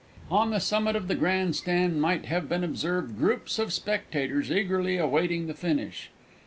_ On the summit of the Grand Stand might have been observed groups of spectators eagerly awaiting the finish.